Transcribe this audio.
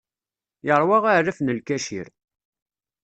Yeṛwa aɛlaf n lkacir.